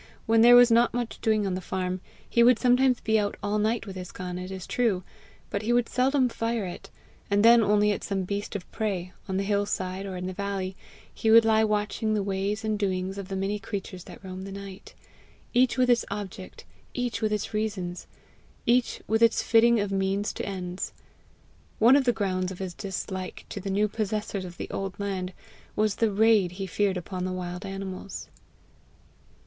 When there was not much doing on the farm, he would sometimes be out all night with his gun, it is true, but he would seldom fire it, and then only at some beast of prey; on the hill side or in the valley he would lie watching the ways and doings of the many creatures that roam the night each with its object, each with its reasons, each with its fitting of means to ends. One of the grounds of his dislike to the new possessors of the old land was the raid he feared upon the wild animals.